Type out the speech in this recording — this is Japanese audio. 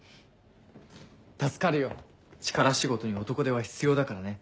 助かるよ力仕事に男手は必要だからね。